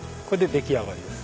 出来上がりです。